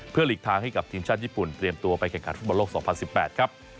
เพื่อหลีกทางให้กับทีมชาติญี่ปุ่นเตรียมตัวไปแข่งขันฟุตบอลโลก๒๐๑๘ครับ